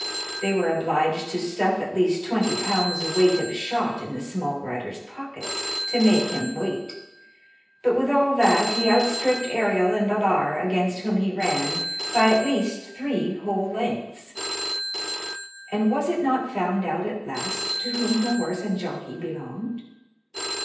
They were obliged to stuff at least twenty pounds weight of shot in the small rider's pockets, to make him weight; but with all that he outstripped Ariel and Barbare, against whom he ran, by at least three whole lengths." "And was it not found out at last to whom the horse and jockey belonged?"